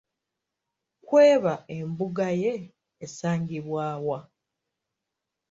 Kkweba embuga ye esangibwa wa?